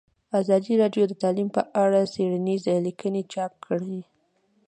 ازادي راډیو د تعلیم په اړه څېړنیزې لیکنې چاپ کړي.